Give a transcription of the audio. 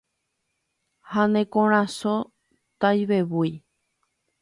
Ha ne korasõ taivevúi